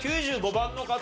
９５番の方。